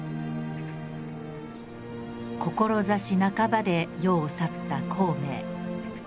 志半ばで世を去った孔明。